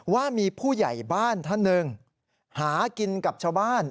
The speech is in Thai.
ว่ามีผู้ใหญ่บ้านท่านหนึ่งหากินกับชาวบ้าน